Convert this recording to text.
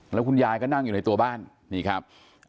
แล้วคุณยายก็นั่งอยู่ในตัวบ้านนี่ครับ